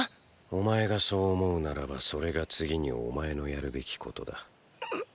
⁉お前がそう思うならばそれが次にお前のやるべきことだ。ッ！